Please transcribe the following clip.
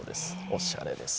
おしゃれです。